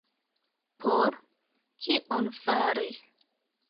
Por kion fari?